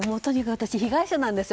私、被害者なんですよ。